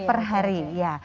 per hari ya